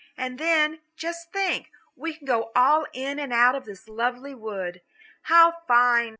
And then, just think, we can go all in and out this lovely wood. How fine!"